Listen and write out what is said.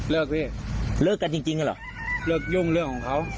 เลิกพี่เลิกกันจริงหรือหรือ